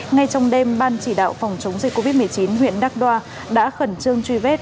ngay trong đêm ban chỉ đạo phòng chống dịch covid một mươi chín huyện đắk đoa đã khẩn trương truy vết